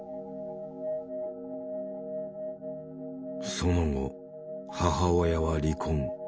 その後母親は離婚。